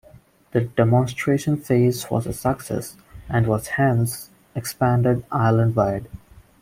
The Demonstration Phase was a success, and was hence, expanded island-wide.